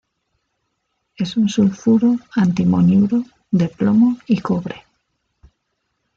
Es un sulfuro-antimoniuro de plomo y cobre.